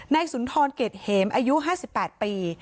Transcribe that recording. สุนทรเกร็ดเหมอายุ๕๘ปี